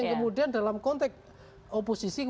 kemudian dalam konteks